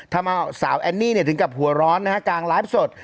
ทำเอาสาวแอนนี่ถึงกับหัวร้อนนะฮะกลางไลฟ์สด